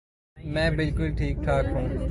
میں بالکل ٹھیک ٹھاک ہوں